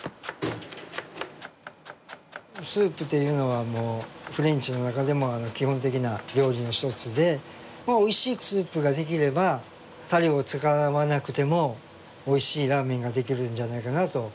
スープっていうのはもうフレンチの中でも基本的な料理の一つでおいしいスープができればタレを使わなくてもおいしいラーメンができるんじゃないかなと。